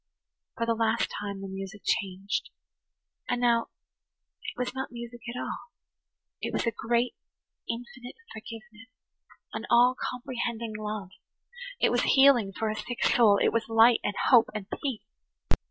For the last time the music changed. And now it was not music at all–it was a great, infinite forgiveness, an all comprehending love. It was healing for a sick soul; it was light and hope and peace.